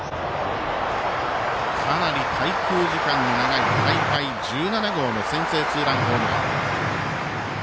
かなり滞空時間の長い大会１７号の先制ツーランホームラン。